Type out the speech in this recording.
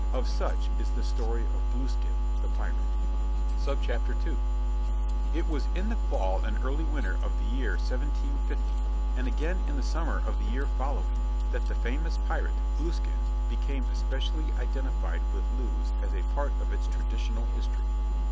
Of such is the story of Blueskin, the pirate. II It was in the fall and the early winter of the year 1750, and again in the summer of the year following, that the famous pirate, Blueskin, became especially identified with Lewes as a part of its traditional history.